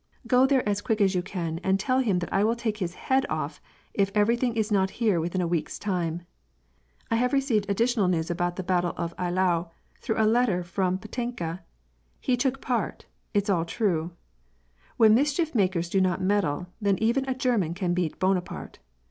Go there as quick as you can and tell him that I will take his Iiead off, if everything is not here within a week's time. I luive received additional news about the Battle of Eylau through a letter from Petinka: he took part — it's all tiiie. When mischief makers do not meddle, then even a German can beat Buonaparte.